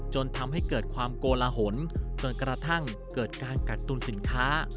จนทำให้เกิดความโกลหนจนกระทั่งเกิดการกักตุลสินค้า